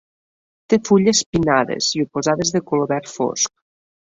Té fulles pinnades i oposades de color verd fosc.